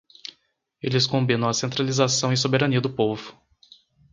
Eles combinam a centralização e soberania do povo.